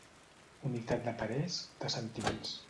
Unitat de parers, de sentiments.